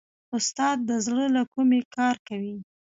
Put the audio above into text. استاد د زړه له کومې کار کوي.